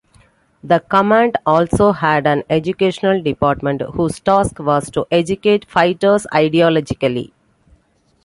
The command also had an educational department whose task was to educate fighters ideologically.